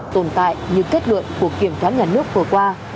tồn tại như kết luận của kiểm toán nhà nước vừa qua